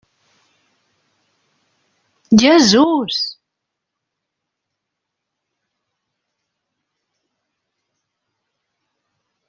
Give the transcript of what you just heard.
Jesús!